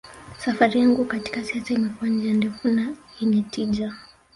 Safari yangu katika siasa imekuwa njia ndefu na yenye tija